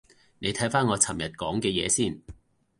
你睇返我尋日講嘅嘢先